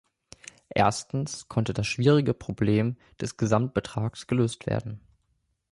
Erstens konnte das schwierige Problem des Gesamtbetrags gelöst werden.